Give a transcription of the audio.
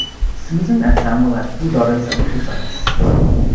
Susan and Samuel had two daughters and three sons.